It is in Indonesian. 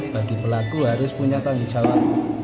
bagi pelaku harus punya tanggung jawab